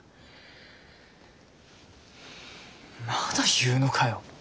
まだ言うのかよ。